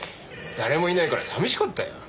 誰もいないから寂しかったよ。